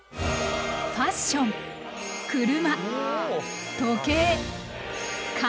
ファッション車時計家具。